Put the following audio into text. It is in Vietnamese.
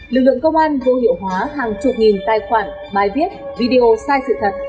lực lượng công an vô hiệu hóa hàng chục nghìn tài khoản bài viết video sai sự thật